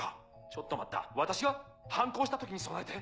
ちょっと待った私が反抗した時に備えて？